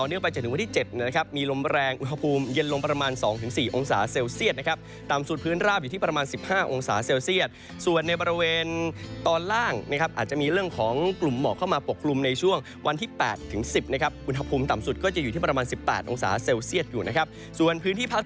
ไปจนถึงวันที่๗นะครับมีลมแรงอุณหภูมิเย็นลงประมาณ๒๔องศาเซลเซียตนะครับต่ำสุดพื้นราบอยู่ที่ประมาณ๑๕องศาเซลเซียตส่วนในบริเวณตอนล่างนะครับอาจจะมีเรื่องของกลุ่มหมอกเข้ามาปกกลุ่มในช่วงวันที่๘ถึง๑๐นะครับอุณหภูมิต่ำสุดก็จะอยู่ที่ประมาณ๑๘องศาเซลเซียตอยู่นะครับส่วนพื้นที่พัก